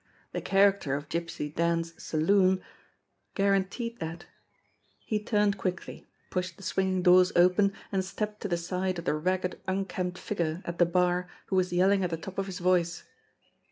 The character of Gypsy Dan's saloon guaranteed that. He turned quickly, pushed the swinging doors open, and stepped to the side of the ragged, unkempt figure at the bar who was yelling at the top of his voice.